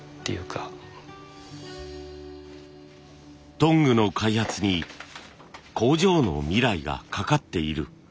トングの開発に工場の未来がかかっている。